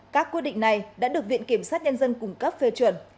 các quyết định này đã được viện kiểm sát nhân dân cung cấp phê chuẩn